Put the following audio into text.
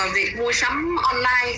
việc mua sắm online